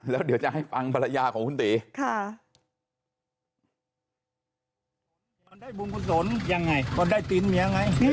แล้วเดี๋ยวจะให้ฟังภรรยาของคุณตีค่ะ